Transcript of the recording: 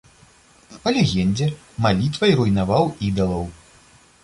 Па легендзе, малітвай руйнаваў ідалаў.